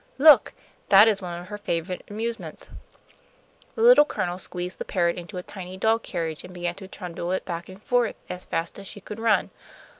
Look! that is one of her favourite amusements." The Little Colonel squeezed the parrot into a tiny doll carriage, and began to trundle it back and forth as fast as she could run.